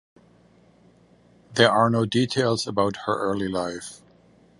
There are no details about her early life.